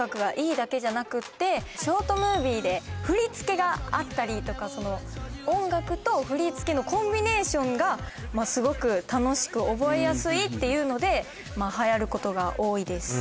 ただショートムービーで振り付けがあったりとかその音楽と振り付けのコンビネーションがすごく楽しく覚えやすいっていうのでまあはやることが多いです